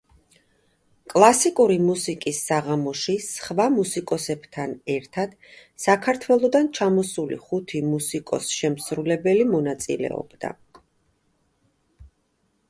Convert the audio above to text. კლასიკური მუსიკის საღამოში, სხვა მუსიკოსებთან ერთად, საქართველოდან ჩამოსული ხუთი მუსიკოს-შემსრულებელი მონაწილეობდა.